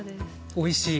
おいしい。